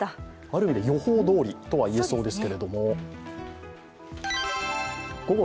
ある意味で予報どおりとは言えそうです。